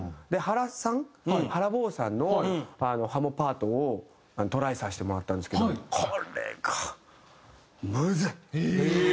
で原さん原坊さんのハモパートをトライさせてもらったんですけどこれがむずい。